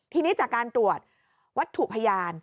ทีนี้จากการตรวจวัตถุพยาน